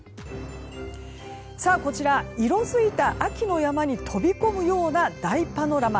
こちら色づいた秋の山に飛び込むような大パノラマ